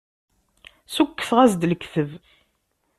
Ssukkseɣ-as-d lekdeb.